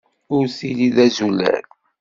Ur ttili d azulal.